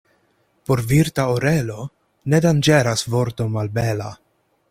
Por virta orelo ne danĝeras vorto malbela.